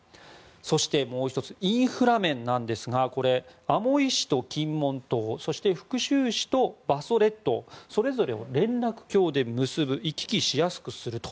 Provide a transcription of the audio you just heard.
そして、もう１つインフラ面なんですがこれ、アモイ市と金門島そして福州市と馬祖列島それぞれを連絡橋で結ぶ行き来しやすくすると。